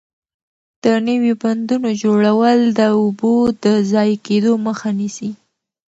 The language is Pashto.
د نويو بندونو جوړول د اوبو د ضایع کېدو مخه نیسي.